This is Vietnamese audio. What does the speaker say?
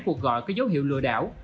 cuộc gọi có dấu hiệu lừa đảo